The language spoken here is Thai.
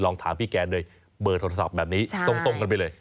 ถามพี่แกโดยเบอร์โทรศัพท์แบบนี้ตรงกันไปเลย